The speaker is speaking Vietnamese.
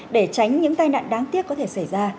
để tránh những tai nạn đáng tiếc có thể xảy ra